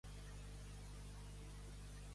Passar com un llucet.